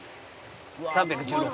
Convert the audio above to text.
３１６。